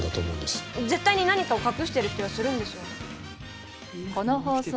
絶対に何かを隠してる気がするんですよ。